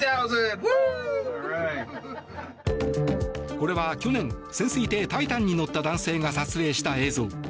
これは去年潜水艇「タイタン」に乗った男性が撮影した映像。